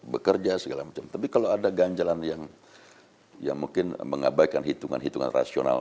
bekerja segala macam tapi kalau ada ganjalan yang ya mungkin mengabaikan hitungan hitungan rasional